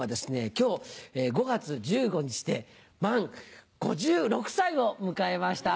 今日５月１５日で満５６歳を迎えました